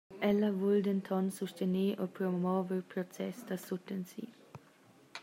Ella vul denton sustener e promover process da sutensi.